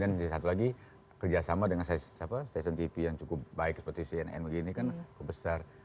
dan satu lagi kerjasama dengan station tv yang cukup baik seperti cnn begini kan besar